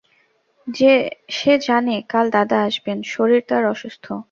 সে জানে কাল দাদা আসবেন, শরীর তাঁর অসুস্থ।